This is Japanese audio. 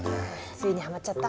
ついにハマっちゃった？